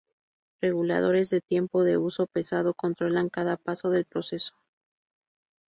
Reguladores de tiempo de uso pesado controlan cada paso del proceso.